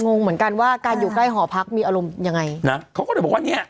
งงเหมือนกันว่าการอยู่ใกล้หอพักมีอารมณ์ยังไงนะเขาก็เลยบอกว่าเนี้ย